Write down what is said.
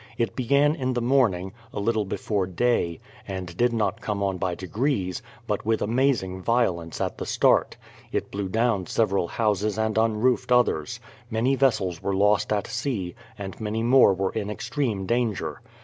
It began in the morning, a Uttle before day, and did not come on by degrees, but with amazing violence at the start. It blew down several houses and unroofed others; many vessels were lost at sea, and many more were in extreme danger.